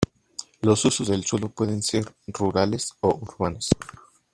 Los usos del suelo pueden ser rurales o urbanos.